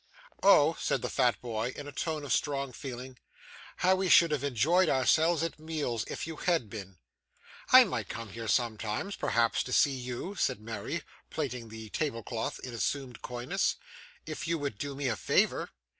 'Oh,' said the fat boy, in a tone of strong feeling; 'how we should have enjoyed ourselves at meals, if you had been!' 'I might come here sometimes, perhaps, to see you,' said Mary, plaiting the table cloth in assumed coyness, 'if you would do me a favour.